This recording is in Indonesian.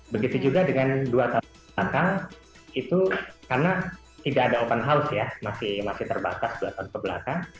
begitu juga dengan dua tahun belakang itu karena tidak ada open house ya masih terbatas dua tahun kebelakang